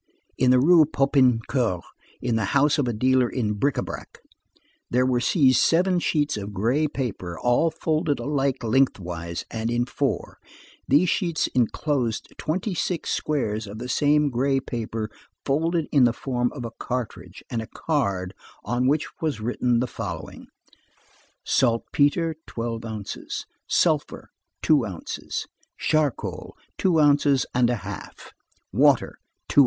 In the Rue Popincourt, in the house of a dealer in bric à brac, there were seized seven sheets of gray paper, all folded alike lengthwise and in four; these sheets enclosed twenty six squares of this same gray paper folded in the form of a cartridge, and a card, on which was written the following:— Saltpetre ........... 12 ounces. Sulphur ........... 2 ounces. Charcoal ........... 2 ounces and a half. Water ....